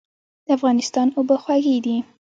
د افغانستان اوبه خوږې دي.